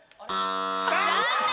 残念！